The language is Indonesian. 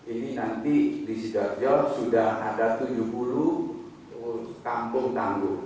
ini nanti di sidoarjo sudah ada tujuh puluh kampung tangguh